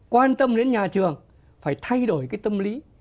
quan tâm đến nhà trường phải thay đổi cái tâm lý